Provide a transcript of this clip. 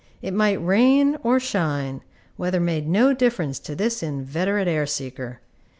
It might rain or shine; weather made no difference to this inveterate air seeker.